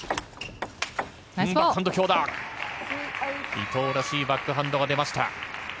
伊藤らしいバックハンドが出ました。